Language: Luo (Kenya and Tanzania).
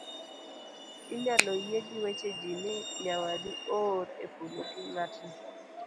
inyalo yie gi weche ji ni nyawadu oor e polo gi ng'atni